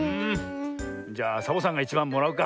じゃあサボさんがいちばんもらうか。